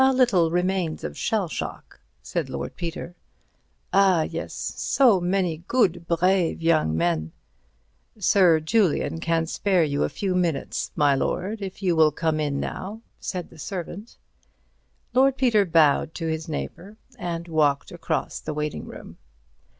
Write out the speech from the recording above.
"A little remains of shell shock," said Lord Peter. "Ah, yes. So many good, brave, young men—" "Sir Julian can spare you a few minutes, my lord, if you will come in now," said the servant. Lord Peter bowed to his neighbour, and walked across the waiting room.